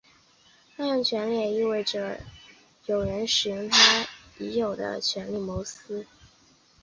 滥用权力也意味着有人使用他已有的权力谋取私利。